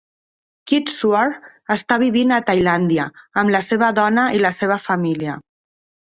Kit Swartz està vivint a Tailàndia amb la seva dona i la seva família.